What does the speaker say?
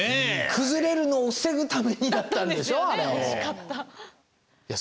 崩れるのを防ぐためにだったんでしょ？だったんですよね。